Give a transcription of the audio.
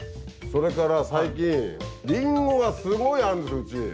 それから最近りんごがすごいあるんですようち。